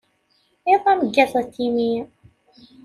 Iḍ ameggaz a Timmy.